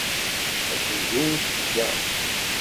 Bdu seg-a.